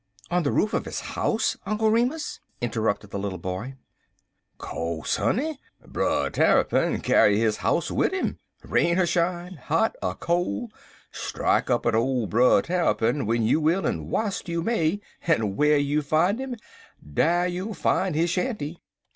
"On the roof of his house, Uncle Remus?" interrupted the little boy. "Co'se honey, Brer Tarrypin kyar his house wid 'im. Rain er shine, hot er col', strike up wid ole Brer Tarrypin w'en you will en w'ilst you may, en whar you fine 'im, dar you'll fine his shanty.